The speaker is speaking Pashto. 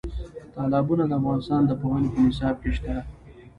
تالابونه د افغانستان د پوهنې په نصاب کې شته.